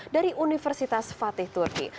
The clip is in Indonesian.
dari universitas fatih turki